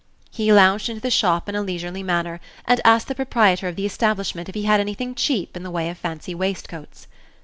He lounged into the shop in a leisurely manner, and asked the proprietor of the establishment if he had anything cheap in the way of fancy waistcoats.